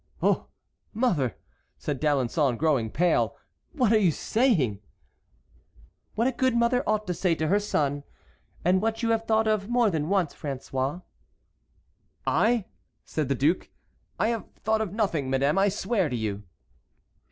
"Oh! mother," said D'Alençon, growing pale, "what are you saying?" "What a good mother ought to say to her son, and what you have thought of more than once, François." "I?" said the duke; "I have thought of nothing, madame, I swear to you."